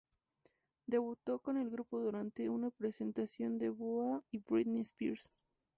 Debutó con el grupo durante una presentación de BoA y Britney Spears.